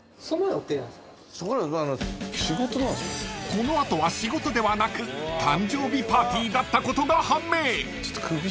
［この後は仕事ではなく誕生日パーティーだったことが判明］